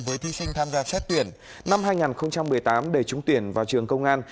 với thí sinh tham gia xét tuyển năm hai nghìn một mươi tám để trúng tuyển vào trường công an